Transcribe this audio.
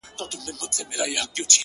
تور یم _ موړ یمه د ژوند له خرمستیو _